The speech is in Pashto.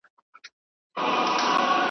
زه به درځم چي په ارغند کي زرغونې وي وني .